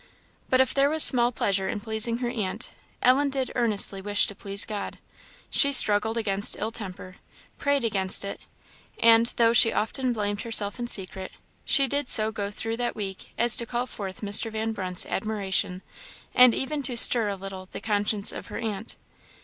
But if there was small pleasure in pleasing her aunt, Ellen did earnestly wish to please God: she struggled against ill temper, prayed against it, and, though she often blamed herself in secret, she did so go through that week as to call forth Mr. Van Brunt's admiration, and even to stir a little the conscience of her aunt.